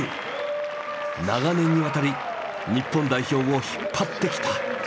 長年にわたり日本代表を引っ張ってきた。